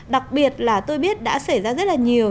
đặc biệt là tôi biết đã xảy ra rất là nhiều